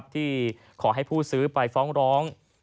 ที่ขอให้ผู้ซื้อไปฟ้องร้อง